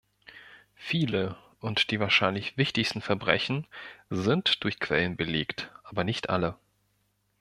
Viele und die wahrscheinlich wichtigsten Verbrechen sind durch Quellen belegt, aber nicht alle.